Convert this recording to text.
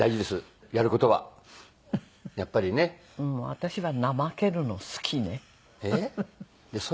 私は怠けるの好きね。